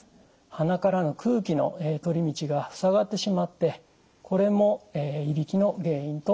鼻からの空気の通り道がふさがってしまってこれもいびきの原因となります。